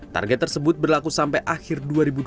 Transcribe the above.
target tersebut berlaku sampai akhir dua ribu dua puluh